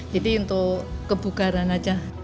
jadi untuk kebukaran saja